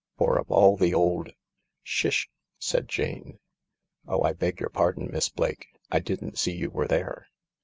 For of all the old—" " Shish I " said Jane. " Oh, I beg your pardon, Miss Blake— I didn't see you were there.